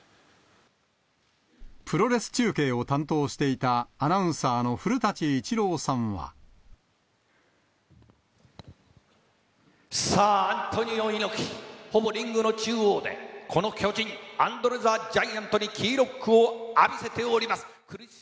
プロレス中継を担当していた、さあ、アントニオ猪木、ほぼリングの中央で、この巨人、アンドレ・ザ・ジャイアントにキーロックを浴びせております。